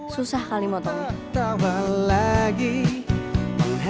susah kali motong